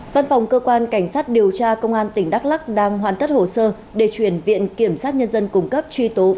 văn phòng cơ quan cảnh sát điều tra công an tỉnh đắk lắc đang hoàn tất hồ sơ để chuyển viện kiểm soát nhân dân cung cấp truy tố ba đối tượng